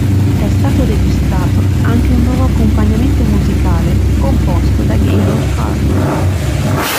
È stato registrato anche un nuovo accompagnamento musicale composto da Gaylord Carter.